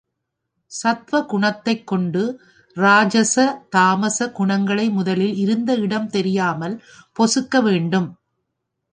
சத்துவகுணத்தைக் கொண்டு ராஜச தாமச குணங்களை முதலில் இருந்த இடம் தெரியாமல் பொசுக்க வேண்டும்.